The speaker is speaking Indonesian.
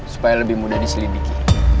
supaya lebih mudah diselidiki